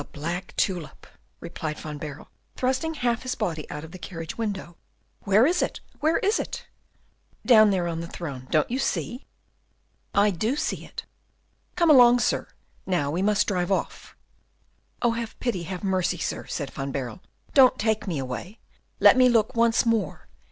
"The black tulip!" replied Van Baerle, thrusting half his body out of the carriage window. "Where is it? where is it?" "Down there on the throne, don't you see?" "I do see it." "Come along, sir," said the officer. "Now we must drive off." "Oh, have pity, have mercy, sir!" said Van Baerle, "don't take me away! Let me look once more!